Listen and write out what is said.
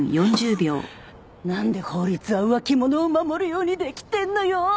なんで法律は浮気者を守るようにできてんのよ！